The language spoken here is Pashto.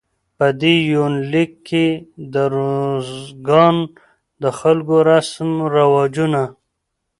په دې يونليک کې د روزګان د خلکو رسم رواجونه